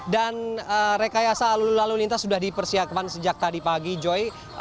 dan rekayasa lalu lintas sudah dipersiapkan sejak tadi pagi joy